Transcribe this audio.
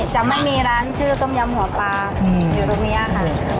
จะไม่มีร้านชื่อต้มยำหัวปลาอยู่ตรงนี้ค่ะ